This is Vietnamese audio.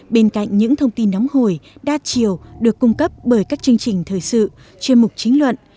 bên cạnh những thông tin nóng hồi đa chiều được cung cấp bởi các chương trình thời sự trên mục chính luận